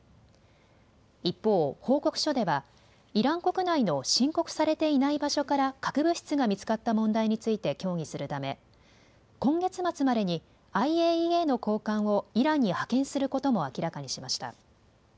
一方、報告書ではイラン国内の申告されていない場所から核物質が見つかった問題について協議するため今月末までにＩＡＥＡの高官をイランに派遣することも明らかにしました。